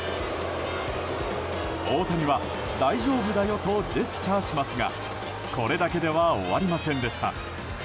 大谷は大丈夫だよとジェスチャーしますがこれだけでは終わりませんでした。